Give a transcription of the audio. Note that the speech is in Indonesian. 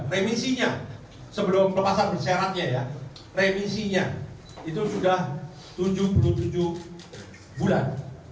remisinya sebelum pelepasan bersyaratnya ya remisinya itu sudah tujuh puluh tujuh bulan